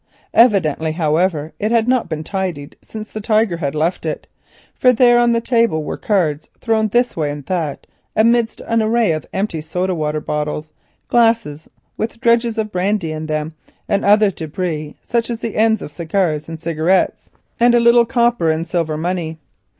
Evidently, however, it had not been tidied since the Tiger had left it, for there on the table were cards thrown this way and that amidst an array of empty soda water bottles, glasses with dregs of brandy in them, and other debris, such as the ends of cigars and cigarettes, and a little copper and silver money.